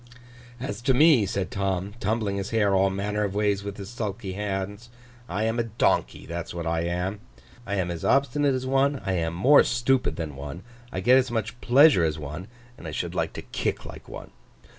'As to me,' said Tom, tumbling his hair all manner of ways with his sulky hands, 'I am a Donkey, that's what I am. I am as obstinate as one, I am more stupid than one, I get as much pleasure as one, and I should like to kick like one.